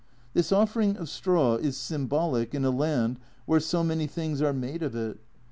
This offering of straw is symbolic in a land where so many things are made of it.